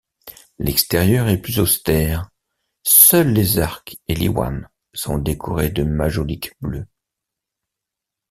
L'extérieur est plus austère, seuls les arcs et l'iwan sont décorés de majoliques bleues.